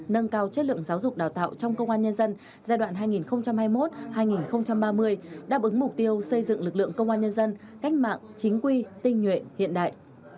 nâng cao chất lượng giáo dục đào tạo trong công an nhân dân giai đoạn hai nghìn hai mươi một hai nghìn ba mươi đáp ứng mục tiêu xây dựng lực lượng công an nhân dân cách mạng chính quy tinh nhuệ hiện đại